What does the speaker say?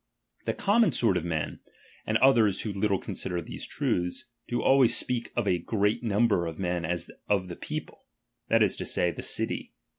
The common sort of men, and others who little consider these truths, do always speak of a great number of men as of the people, that is to say, the city.